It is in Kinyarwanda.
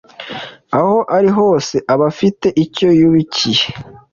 aho ari hose, aba afite icyo yubikiye